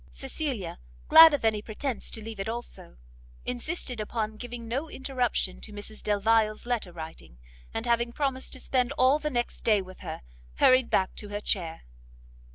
Cecilia, glad of any pretence to leave it also, insisted upon giving no interruption to Mrs Delvile's letter writing, and having promised to spend all the next day with her, hurried back to her chair.